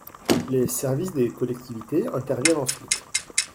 Les services des collectivités interviennent ensuite.